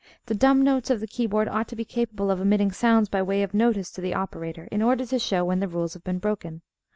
The dumb notes of the keyboard ought to be capable of emitting sounds by way of notice to the operator, in order to show when the rules have been broken.